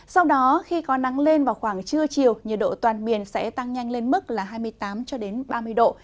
sau đó khi có nắng lên vào khoảng trưa chiều nhiệt độ toàn miền sẽ tăng nhanh lên mức là hai mươi tám ba mươi độ